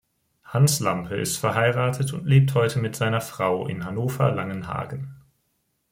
Hans Lampe ist verheiratet und lebt heute mit seiner Frau in Hannover-Langenhagen.